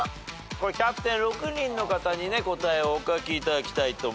これキャプテン６人の方にね答えをお書きいただきたい。